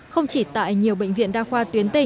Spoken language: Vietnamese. không chỉ tại nhiều bệnh viện đa khoa